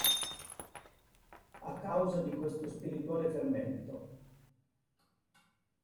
A causa di questo spirituale fermento.